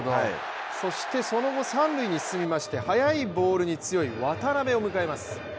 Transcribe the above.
そしてその後、三塁に進みまして、速いボールに強い渡邉を迎えます。